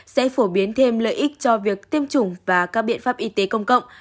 sẽ phổ biến thêm lợi ích cho việc tiêm chủng và các biện pháp y tế công cộng